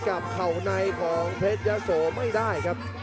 กับเข่าในของเพชรยะโสไม่ได้ครับ